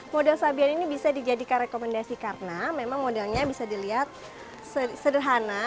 model sabian ini bisa dijadikan rekomendasi karena memang modelnya bisa dilihat sederhana